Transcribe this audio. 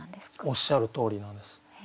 おっしゃるとおりなんです。